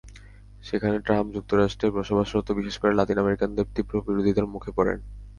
সেখানে ট্রাম্প যুক্তরাষ্ট্রে বসবাসরত, বিশেষ করে লাতিন আমেরিকানদের তীব্র বিরোধিতার মুখে পড়েন।